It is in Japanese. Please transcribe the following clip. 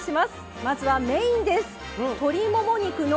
まずはメインです。